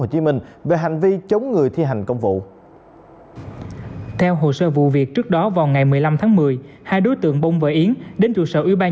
cảm ơn các bạn đã theo dõi